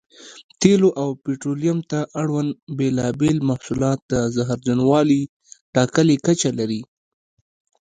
تېلو او پټرولیم ته اړوند بېلابېل محصولات د زهرجنوالي ټاکلې کچه لري.